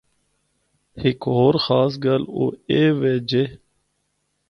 ہک ہور خاص گل او ایہہ وے جے۔